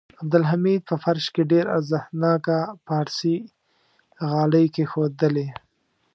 عبدالحمید په فرش کې ډېر ارزښتناکه پارسي غالۍ کېښودلې.